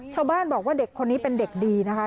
ชาวบ้านบอกว่าเด็กคนนี้เป็นเด็กดีนะคะ